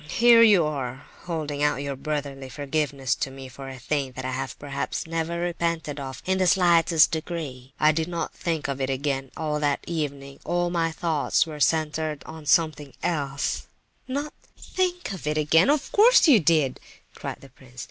"Here you are holding out your brotherly forgiveness to me for a thing that I have perhaps never repented of in the slightest degree. I did not think of it again all that evening; all my thoughts were centred on something else—" "Not think of it again? Of course you didn't!" cried the prince.